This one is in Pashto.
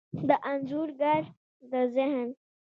د انځورګر د ذهن،